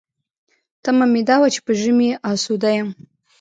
تمه مې دا وه چې په ژمي اسوده یم.